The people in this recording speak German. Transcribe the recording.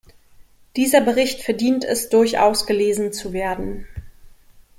Dieser Bericht verdient es durchaus, gelesen zu werden.